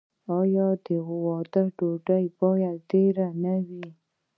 آیا د واده ډوډۍ باید ډیره نه وي؟